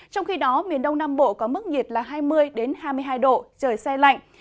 trong khi đó miền đông nam bộ có mức nhiệt là hai mươi hai mươi hai độ trời xe lạnh